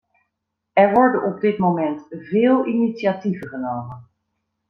Er worden op dit moment veel initiatieven genomen.